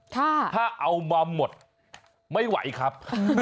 ถ้าเอามาหมดไม่ไหวครับ